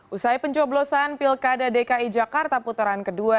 usai pencoblosan pilkada dki jakarta putaran kedua